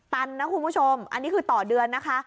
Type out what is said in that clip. ตันนะคุณผู้ชมอันนี้คือต่อเดือนนะคะ